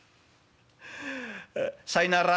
さいなら」。